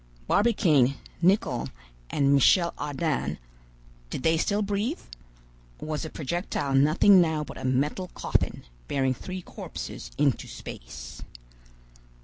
Barbicane, Nicholl, and Michel Ardan—did they still breathe? or was the projectile nothing now but a metal coffin, bearing three corpses into space?